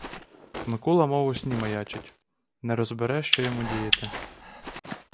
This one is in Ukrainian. Микула мов у сні маячить; не розбере, що йому діяти.